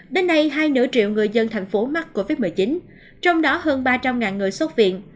đến nay hai nửa triệu người dân thành phố mắc covid một mươi chín trong đó hơn ba trăm linh người xuất viện